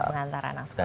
mengantar anak sekolah